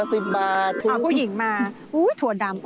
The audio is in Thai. เอาผู้หญิงมาถั่วดำ